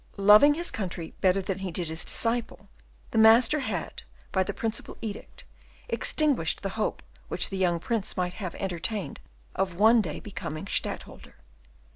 Loving his country better than he did his disciple, the master had, by the Perpetual Edict, extinguished the hope which the young Prince might have entertained of one day becoming Stadtholder.